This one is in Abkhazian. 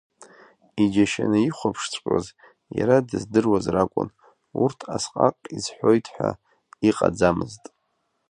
Иџьашьаны ихәаԥшҵәҟьоз иара дыздыруаз ракәын, урҭ асҟак изҳәоит хәа иҟаӡамызт.